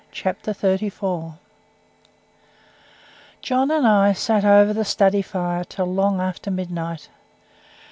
CHAPTER XXXIV John and I sat over the study fire till long after midnight.